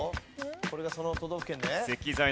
これがその都道府県ね。